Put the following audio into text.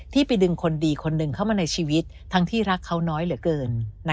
ไปดึงคนดีคนหนึ่งเข้ามาในชีวิตทั้งที่รักเขาน้อยเหลือเกิน